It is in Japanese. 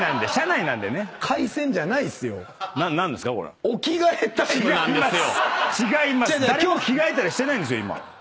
誰も着替えたりしてないんですよ今。